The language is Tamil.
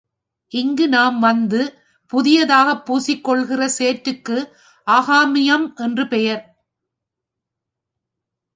இங்கு நாம் வந்து புதியதாக பூசிக் கொள்ளுகிற சேற்றுக்கு ஆகாம்யம் என்று பெயர்.